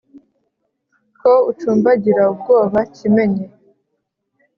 ko ucumbagira ubwoba kimenyi